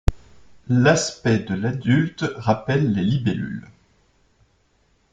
L'aspect de l'adulte rappelle les libellules.